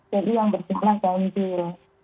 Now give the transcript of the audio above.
jadi yang berbeda gantil